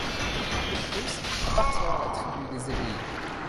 Collytos appartient à la tribu des Égéides.